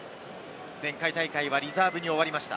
前回大会はリザーブに終わりました。